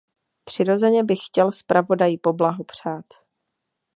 Přirozeně bych chtěl zpravodaji poblahopřát.